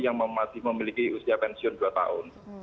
yang masih memiliki usia pensiun dua tahun